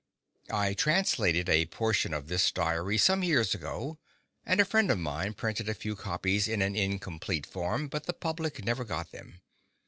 —I translated a portion of this diary some years ago, and a friend of mine printed a few copies in an incomplete form, but the public never got them.